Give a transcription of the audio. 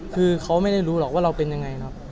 คือเขาไม่ได้รู้หรอกว่าเราเป็นยังไงครับ